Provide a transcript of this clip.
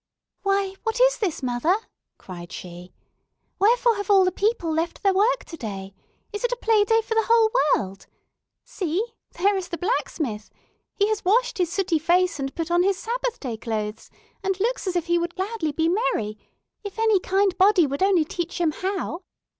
"Why, what is this, mother?" cried she. "Wherefore have all the people left their work today? Is it a play day for the whole world? See, there is the blacksmith! He has washed his sooty face, and put on his Sabbath day clothes, and looks as if he would gladly be merry, if any kind body would only teach him how!